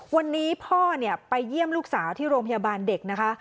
วันนี้พ่อไปเยี่ยมลูกสาวที่โรงพยาบาลเด็กนะคะ